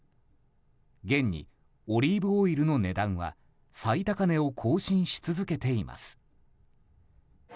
現にオリーブオイルの値段は最高値を更新し続けています。